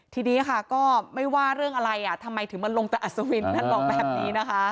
ทีนี้ค่ะก็ไม่ว่าเรื่องอะไรทำไมถึงมันลงตะอสุวินนะค่ะ